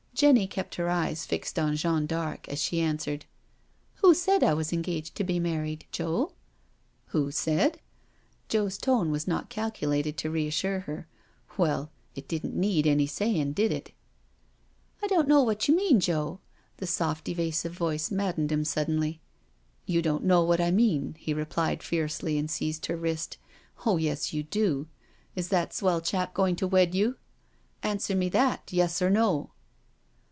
Jenny kept her eyes fixed on Jeanne d'Arc as she answered: "Who said I was engaged to be married, Joe?" "Who said?" Joe's tone was not calculated to re assure her. " Well, it didn't need any saying, did it?" " I don't know what you mean, Joe." The soft evasive voice maddened him suddenly. " You don't know what I mean," he replied fiercely and seized her wrist. " Oh yes, you do. Is that swell chap going to wed you? Answer me that — yes or no?"